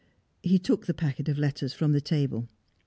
He took the packet of letters from the table.